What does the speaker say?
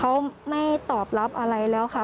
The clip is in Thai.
เขาไม่ตอบรับอะไรแล้วค่ะ